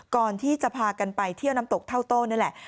ก่อนที่จะพากันไปเที่ยวน้ำตกเท่าโต้นี่แหละ